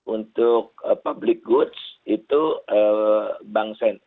untuk public goods itu bank sen